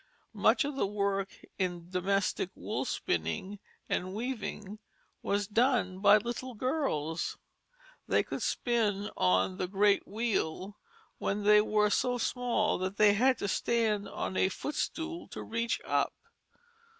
Much of the work in domestic wool spinning and weaving was done by little girls. They could spin on "the great wheel" when they were so small that they had to stand on a foot stool to reach up.